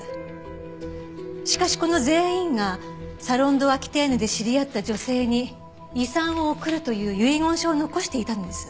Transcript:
しかしこの全員がサロン・ド・アキテーヌで知り合った女性に遺産を贈るという遺言書を残していたんです。